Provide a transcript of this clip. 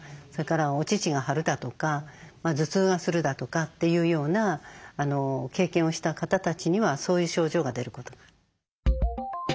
それからお乳が張るだとか頭痛がするだとかというような経験をした方たちにはそういう症状が出ることがある。